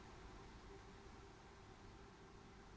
uu sulawesi penang armenu rep involving indonesia dan spp